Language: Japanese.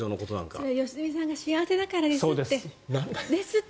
それは良純さんが幸せだからですって。